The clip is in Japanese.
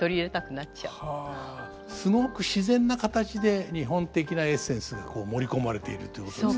すごく自然な形で日本的なエッセンスがこう盛り込まれているということですね。